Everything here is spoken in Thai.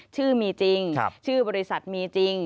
ชื่อมีจริงชื่อบริษัทมีจริง